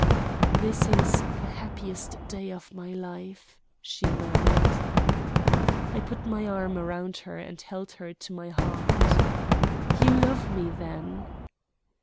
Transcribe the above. "This is the happiest day of my life," she murmured. I put my arm round her and held her to my heart. "You love me, then?"